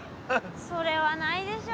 それはないでしょ。